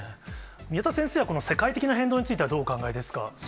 宮田先生は、この世界的な変動についてはどうお考えですか。